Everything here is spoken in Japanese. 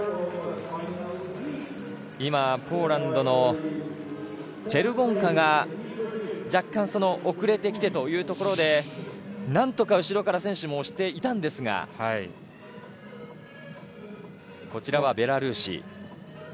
今、ポーランドのチェルボンカが若干遅れてきてというところで何とか後ろから選手も押していたんですがこちらはベラルーシ。